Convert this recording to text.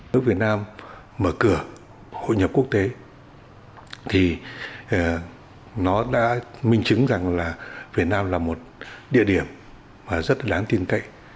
nước việt nam mở cửa hội nhập quốc tế thì nó đã minh chứng rằng là việt nam là một địa điểm rất là đáng tin cậy